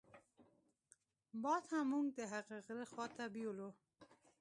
باد هم موږ د هغه غره خواته بېولو.